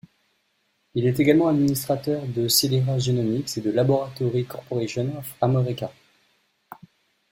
Il est également administrateur de Celera Genomics et de Laboratory Corporation of America.